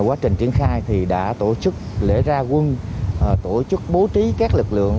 quá trình triển khai thì đã tổ chức lễ ra quân tổ chức bố trí các lực lượng